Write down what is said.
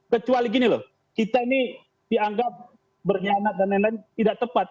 kecuali gini loh kita ini dianggap berkhianat dan lain lain tidak tepat